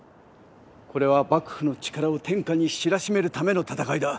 これは幕府の力を天下に知らしめるための戦いだ。